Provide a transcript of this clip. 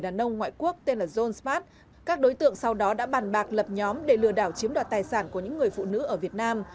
đàn ông ngoại quốc tên là john smart các đối tượng sau đó đã bàn bạc lập nhóm để lừa đảo chiếm đoạt tài sản của những người phụ nữ ở việt nam